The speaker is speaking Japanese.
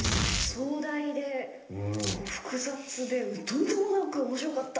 壮大で複雑でとんでもなく面白かった！